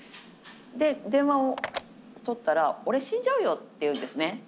で電話を取ったら「俺死んじゃうよ」って言うんですね。